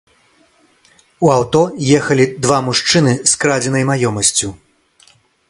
У аўто ехалі два мужчыны з крадзенай маёмасцю.